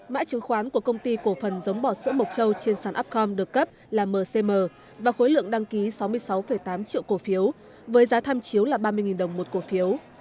mã chứng khoán của công ty cổ phần giống bò sữa mộc châu trên sản upcom được cấp là mcm và khối lượng đăng ký sáu mươi sáu tám triệu cổ phiếu với giá tham chiếu là ba mươi đồng một cổ phiếu